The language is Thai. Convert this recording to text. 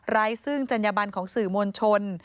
ซึ่งจัญญบันของสื่อมวลชน